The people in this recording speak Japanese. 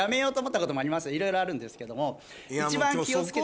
いろいろあるんですけれども。